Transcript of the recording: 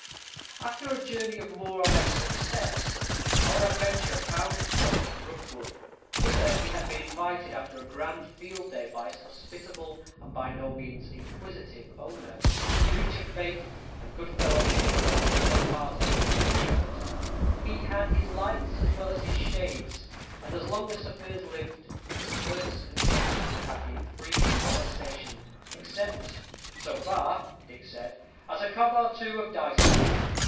After a journey of more or less success, our adventurer found himself at Rookwood, whither he had been invited after a grand field day by its hospitable and by no means inquisitive owner. Breach of faith and good fellowship formed no part of Turpin's character; he had his lights as well as his shades; and as long as Sir Piers lived, his purse and coffers would have been free from molestation, except, "so far," Dick said, "as a cog or two of dice went.